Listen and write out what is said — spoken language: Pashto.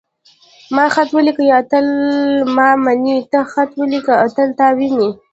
ما خط وليکه. اتل ما ويني.تا خط وليکه. اتل تا ويني.